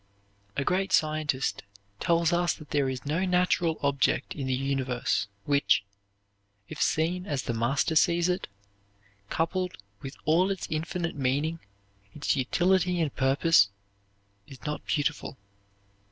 A great scientist tells us that there is no natural object in the universe which, if seen as the Master sees it, coupled with all its infinite meaning, its utility and purpose, is not beautiful.